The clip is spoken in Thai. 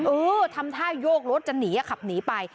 เออทำท่าโยกรถจะหนีขับหนีไป